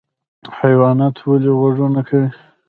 حیوانات ولې غږونه کوي؟